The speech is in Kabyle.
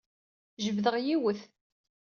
Jebdeɣ yiwet.